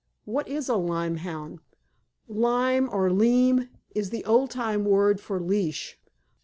What is a lyme hound?" "'Lyme,' or 'leam,' is the old time word for 'leash.